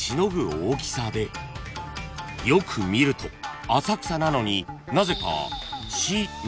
［よく見ると浅草なのになぜか］